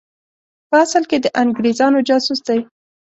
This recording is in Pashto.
په اصل کې د انګرېزانو جاسوس دی.